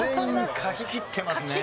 書ききってます。